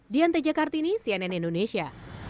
dianta jakartini cnn indonesia